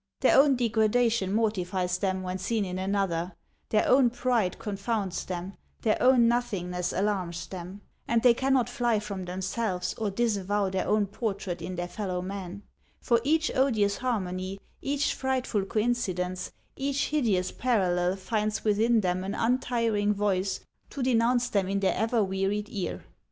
Their own degradation mortifies them when seen in another, their own pride confounds them, their own nothingness alarms them ; and they cannot fly from themselves or disavow their own portrait in their fellow man ; for each odious harmony, each frightful coincidence, each hideous parallel finds within them an untiring voice to denounce them in their ever wearied ear.